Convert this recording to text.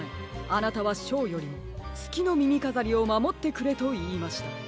あなたは「ショーよりもつきのみみかざりをまもってくれ」といいました。